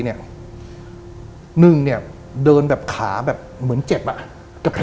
หนึ่งเดินขาแบบเหมือนเจ็บ